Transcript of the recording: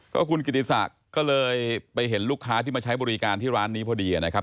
คุณกิติศักดิ์ก็เลยไปเห็นลูกค้าที่มาใช้บริการที่ร้านนี้พอดีนะครับ